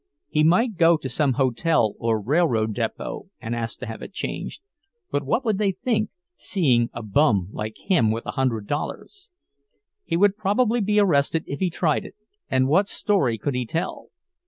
He might go to some hotel or railroad depot and ask to have it changed; but what would they think, seeing a "bum" like him with a hundred dollars? He would probably be arrested if he tried it; and what story could he tell?